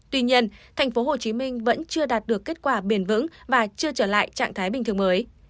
tuy nhiên tp hcm vẫn chưa đạt được kết quả bền vững và chưa trở lại trạng thái bình thường mới